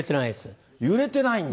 揺れてないんだ。